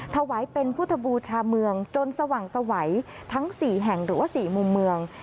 ถวายเป็นพุทธบูชาเมืองจนสว่างสวัยทั้ง๔แห่งหรือว่า๔มุมเมือง